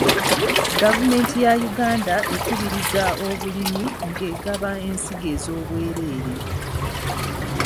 Gavumenti ya Uganda ekubiriza obulimi ng'egaba ensigo ez'obwereere.